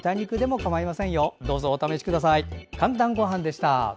「かんたんごはん」でした。